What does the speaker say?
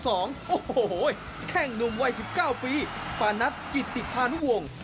โอ้โหแข้งหนุ่มวัย๑๙ปีปานัทกิติพานุวงศ์